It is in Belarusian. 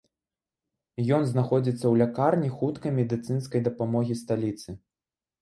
Ён знаходзіцца ў лякарні хуткай медыцынскай дапамогі сталіцы.